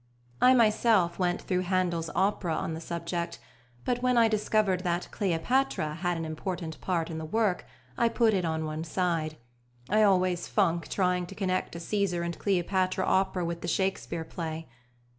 I myself went through Handel's opera on the subject, but when I discovered that Cleopatra had an important part in the work I put it on one side: I always funk trying to connect a Cæsar and Cleopatra opera with the Shakespeare play.